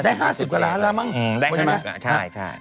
วิ่งกันแบบว่า๕๐กว่าล้านละขึ้นเลย